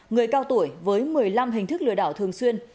người cao tuổi với một mươi năm hình thức lừa đảo thường xuyên